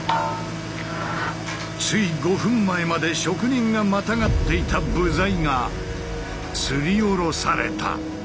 つい５分前まで職人がまたがっていた部材がつり下ろされた。